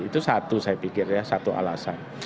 itu satu saya pikir ya satu alasan